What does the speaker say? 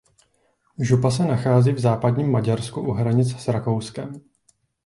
Župa se nachází v západním Maďarsku u hranic s Rakouskem.